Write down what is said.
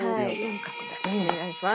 お願いします。